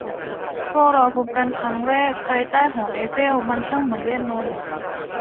พวกเราพบกันครั้งแรกภายใต้หอไอเฟล มันช่างเหมือนเวทมนตร์